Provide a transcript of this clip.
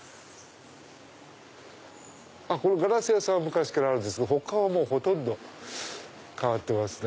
このガラス屋さんは昔からあるんですが他はほとんど変わってますね。